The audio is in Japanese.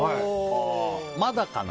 まだかな？